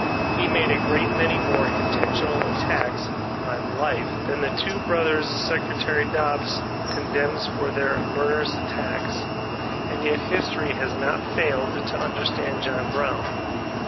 He made a great many more intentional attacks on life than the two brothers Secretary Dobbs condemns for their ''murder ous methods/' And yet, history has not failed to under stand John Brown.